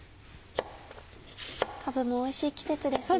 かぶもおいしい季節ですね。